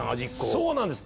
そうなんです！